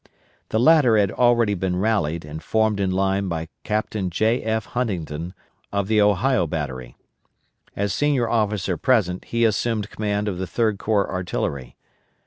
The latter had already been rallied and formed in line by Captain J. F. Huntington, of the Ohio battery. As senior officer present he assumed command of the Third Corps artillery.